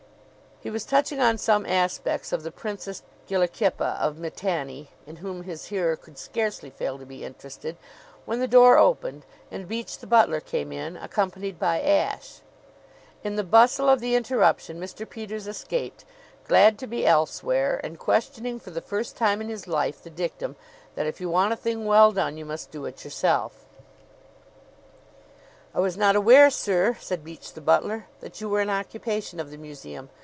He was touching on some aspects of the Princess Gilukhipa of Mitanni, in whom his hearer could scarcely fail to be interested, when the door opened and Beach, the butler, came in, accompanied by Ashe. In the bustle of the interruption Mr. Peters escaped, glad to be elsewhere, and questioning for the first time in his life the dictum that if you want a thing well done you must do it yourself. "I was not aware, sir," said Beach, the butler, "that you were in occupation of the museum.